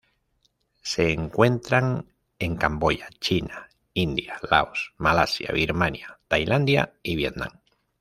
Se encuentran en Camboya, China, India, Laos, Malasia, Birmania, Tailandia y Vietnam.